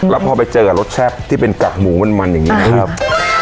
แล้วพอไปเจอกับรสแซ่บที่เป็นกากหมูมันอย่างนี้นะครับ